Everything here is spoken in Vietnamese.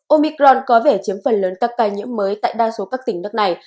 omicron có vẻ chiếm phần lớn các ca nhiễm mới tại đa số các tỉnh nước này